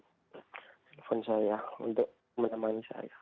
telepon saya untuk menemani saya